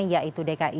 yaitu dki jakarta